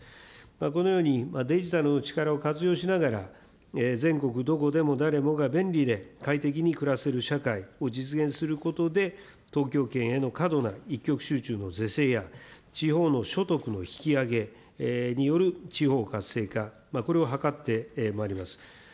このように、デジタルの力を活用しながら、全国どこでも誰もが便利で快適に暮らせる社会を実現することで、東京圏への過度な一極集中の是正や、地方の所得の引き上げによる地方活性化、これを図ってまいります。